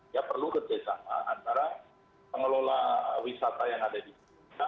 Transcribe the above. ya perlu kerjasama antara pengelola wisata yang di jogja